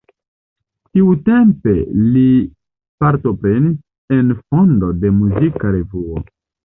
Tiutempe li partoprenis en fondo de muzika revuo.